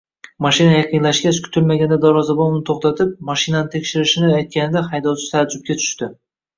Mashina yaqinlashgach, kutilmaganda darvozabon uni to`xtatib, mashinani tekshirishini aytganida haydovchi taajjubga tushdi